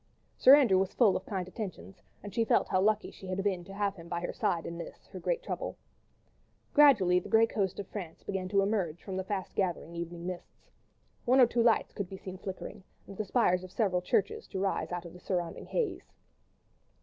Sir Andrew was full of kind attentions, and she felt how lucky she had been to have him by her side in this, her great trouble. Gradually the grey coast of France began to emerge from the fast gathering evening mists. One or two lights could be seen flickering, and the spires of several churches to rise out of the surrounding haze.